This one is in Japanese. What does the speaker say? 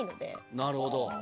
なるほど。